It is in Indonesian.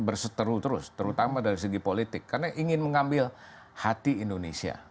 berseteru terus terutama dari segi politik karena ingin mengambil hati indonesia